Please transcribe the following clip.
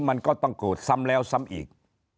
มันก็ต้องโกรธซ้ำแล้วซ้ำอีก